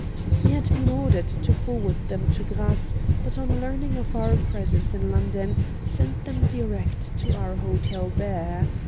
He had been ordered to forward them to Grasse, but, on learning of our presence in London, sent them direct to our hotel there.